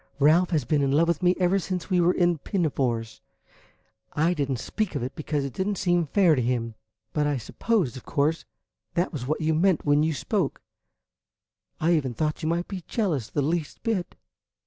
"Ralph has been in love with me ever since we were in pinafores. I did n't speak of it because it did n't seem fair to him; but I supposed, of course, that was what you meant when you spoke. I even thought you might be jealous the least bit."